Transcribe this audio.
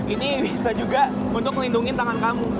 ini bisa juga untuk melindungi tangan kamu